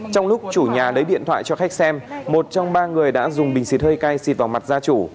trong lúc chủ nhà lấy điện thoại cho khách xem một trong ba người đã dùng bình xịt hơi cay xịt vào mặt gia chủ